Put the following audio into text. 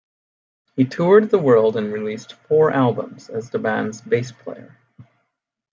He toured the world and released four albums as the band's bass player.